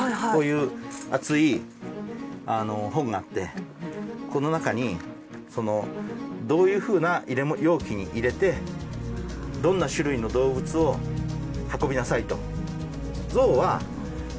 こういう厚い本があってこの中にどういうふうな容器に入れてどんな種類の動物を運びなさいと。